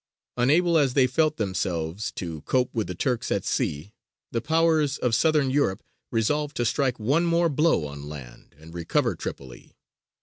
Unable as they felt themselves to cope with the Turks at sea, the Powers of Southern Europe resolved to strike one more blow on land, and recover Tripoli.